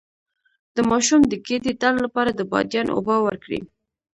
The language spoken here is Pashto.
د ماشوم د ګیډې درد لپاره د بادیان اوبه ورکړئ